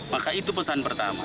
maka itu pesan pertama